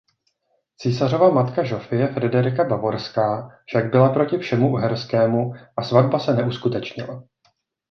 Císařova matka Žofie Frederika Bavorská však byla proti všemu uherskému a svatba se neuskutečnila.